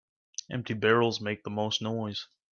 Empty barrels make the most noise.